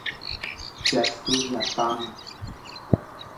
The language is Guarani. Jastudiapáma.